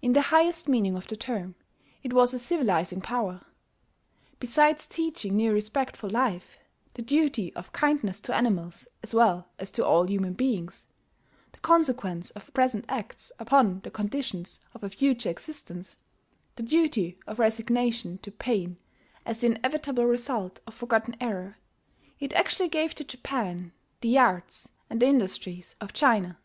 In the highest meaning of the term, it was a civilizing power. Besides teaching new respect for life, the duty of kindness to animals as well as to all human beings, the consequence of present acts upon the conditions of a future existence, the duty of resignation to pain as the inevitable result of forgotten error, it actually gave to Japan the arts and the industries of China.